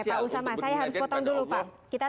pak usama saya harus potong dulu pak